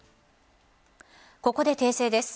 ここで訂正です。